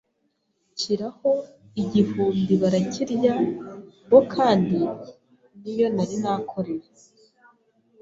nshyiraho igihumbibarakirya, wo kandi niyo nari nakoreye